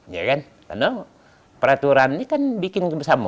ya kan karena peraturan ini kan bikin bersama